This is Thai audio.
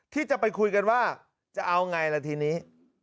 ที่จะไปคุยกันว่าจะเอาไงล่ะทีนี้